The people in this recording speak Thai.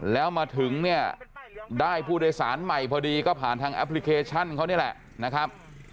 แล้วมาถึงเนี่ยได้ผู้โดยสารใหม่พอดีก็ผ่านทางแอปพลิเคชันเขานี่แหละนะครับ